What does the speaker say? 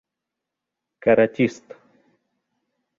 Каратист.